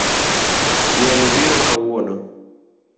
Welo biro kawuono